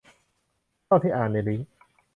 เท่าที่อ่านในลิงก์